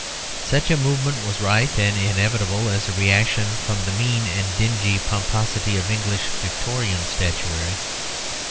Such a movement was right and inevitable as a reaction from the mean and dingy pomposity of English Victorian statuary.